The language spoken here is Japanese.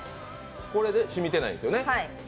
これでしみてないんですよね？